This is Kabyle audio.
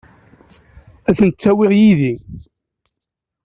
Ad kent-awiɣ yid-i.